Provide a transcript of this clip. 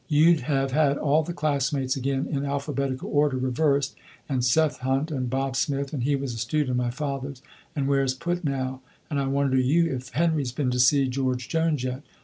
You'd have had all the classmates again in alphabetical order reversed, 'and Seth Hunt and Bob Smith and he was a student of my father's and where's Put now? and I wonder you if Henry's been to see George Jones yet?